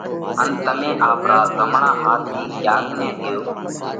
ان تمي آپرا زمڻا هاٿ ٿِي ڪياڪ نئہ ۮيوه